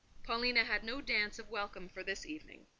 Paulina had no dance of welcome for this evening.